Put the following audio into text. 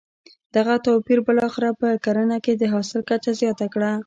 دغه توپیر بالاخره په کرنه کې د حاصل کچه زیانه کړه.